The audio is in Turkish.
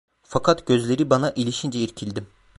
Fakat gözleri bana, ilişince irkildim.